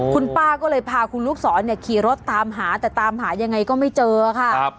คุณป้าก็เลยพาคุณลูกศรขี่รถตามหาแต่ตามหายังไงก็ไม่เจอค่ะ